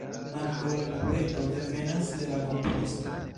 Ankaŭ la libreto devenas de la komponisto.